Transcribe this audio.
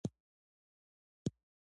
که غواړې بریالی شې، نو سخت کوښښ وکړه.